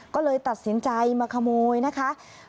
ก็เลยตัดสินใจมาขโมยนะคะ